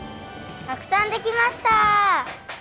たくさんできました！